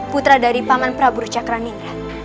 putra dari paman praburu cakra ningrat